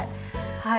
はい。